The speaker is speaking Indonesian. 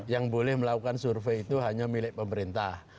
yang boleh melakukan survei itu hanya milik pemerintah